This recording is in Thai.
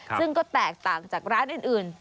ซึ่งก็แตกต่างจากร้านอื่น